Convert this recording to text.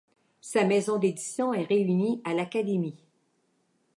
Sa maison d'édition est réunie à l'Académie.